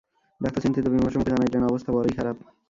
Doctor চিন্তিত বিমর্ষ মুখে জানাইলেন, অবস্থা বড়োই খারাপ।